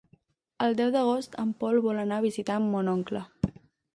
El deu d'agost en Pol vol anar a visitar mon oncle.